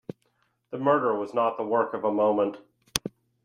The murder was not the work of a moment.